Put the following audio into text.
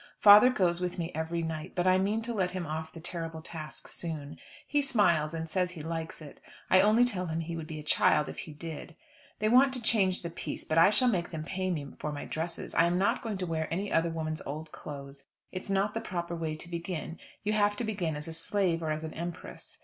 Father goes with me every night, but I mean to let him off the terrible task soon. He smiles, and says he likes it. I only tell him he would be a child if he did. They want to change the piece, but I shall make them pay me for my dresses; I am not going to wear any other woman's old clothes. It's not the proper way to begin, you have to begin as a slave or as an empress.